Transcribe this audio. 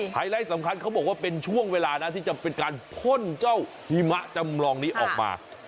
ไลท์สำคัญเขาบอกว่าเป็นช่วงเวลานะที่จะเป็นการพ่นเจ้าหิมะจำลองนี้ออกมา